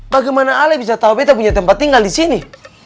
bagaimana ale bisa tahu kita punya tempat tinggal di sini